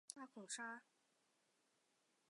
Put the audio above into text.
大孔沙条鲨为真鲨科沙条鲨属的鱼类。